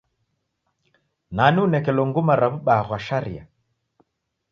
Nani unekelo nguma ra w'ubaa ghwa sharia?